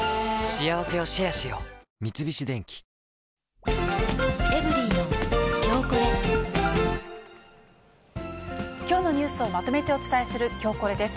三菱電機きょうのニュースをまとめてお伝えするきょうコレです。